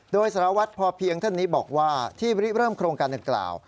โดยสารวัตรพอเพียงท่านนี้บอกว่าที่เริ่มโครงการดังกล่าว